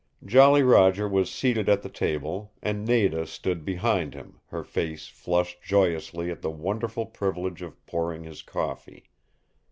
Jolly Roger was seated at the table, and Nada stood behind him, her face flushed joyously at the wonderful privilege of pouring his coffee.